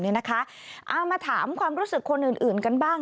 เอามาถามความรู้สึกคนอื่นกันบ้าง